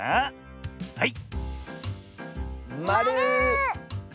はい。